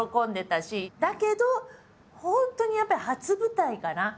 だけど本当にやっぱり初舞台かな。